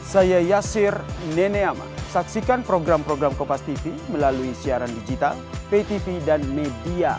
saya yasir nene ama saksikan program program kopas tv melalui siaran digital ptv dan media